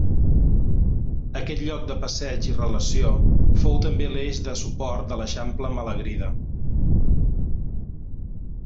Aquest lloc de passeig i relació fou també l'eix de suport de l'eixample Malagrida.